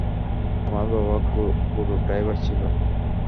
আমার বাবা গুরুর ড্রাইভার ছিলো।